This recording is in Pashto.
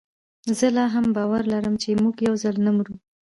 زه لا هم باور لرم چي موږ یوځل نه مرو